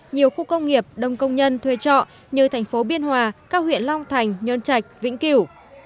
nhiều khu công nghiệp đông công nhân thuê trọ như thành phố biên hòa cao huyện long thành nhơn trạch vĩnh cửu